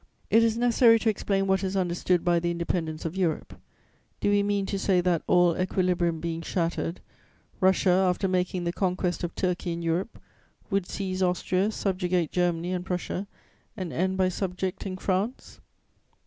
"It is necessary to explain what is understood by the independence of Europe: do we mean to say that, all equilibrium being shattered, Russia, after making the conquest of Turkey in Europe, would seize Austria, subjugate Germany and Prussia, and end by subjecting France?